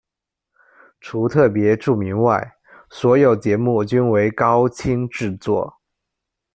除特别注明外，所有节目均为高清制作。